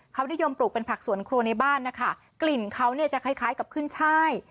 เขานิยมปลูกเป็นผักสวนครัวในบ้านนะคะกลิ่นเขาเนี่ยจะคล้ายคล้ายกับขึ้นช่าย